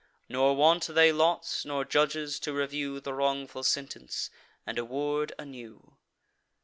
Nor want they lots, nor judges to review The wrongful sentence, and award a new.